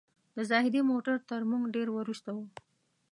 د زاهدي موټر تر موږ ډېر وروسته و.